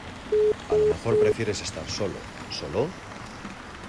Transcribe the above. a lo mejor prefieres estar solo. ¿ solo?